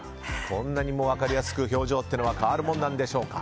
こんなにも分かりやすく表情ってのは変わるものなんでしょうか。